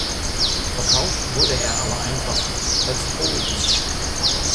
Verkauft wurde er aber einfach als „Holden“.